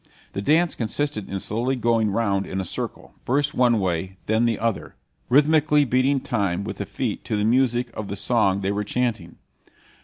The dance consisted in slowly going round in a circle, first one way then the other, rhythmically beating time with the feet to the music of the song they were chanting.